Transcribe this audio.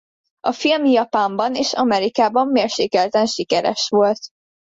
A film Japánban és Amerikában mérsékelten sikeres volt.